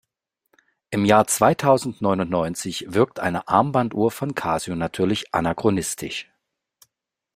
Im Jahr zweitausendneunundneunzig wirkt eine Armbanduhr von Casio natürlich anachronistisch.